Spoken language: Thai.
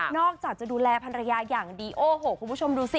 อกจากจะดูแลภรรยาอย่างดีโอ้โหคุณผู้ชมดูสิ